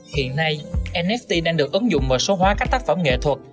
hiện nay mft đang được ứng dụng vào số hóa các tác phẩm nghệ thuật